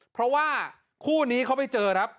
เพราะว่าคู่นี้เขาไปเจอครับ